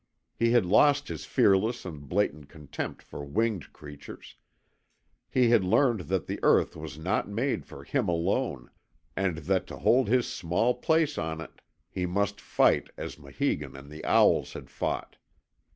He had lost his fearless and blatant contempt for winged creatures; he had learned that the earth was not made for him alone, and that to hold his small place on it he must fight as Maheegun and the owls had fought.